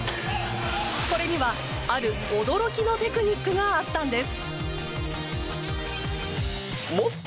これには、ある驚きのテクニックがあったんです。